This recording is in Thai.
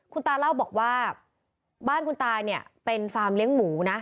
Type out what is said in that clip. คุณตาเล่าบอกว่าบ้านคุณตาเนี่ยเป็นฟาร์มเลี้ยงหมูนะ